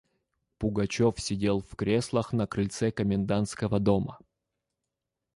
Пугачев сидел в креслах на крыльце комендантского дома.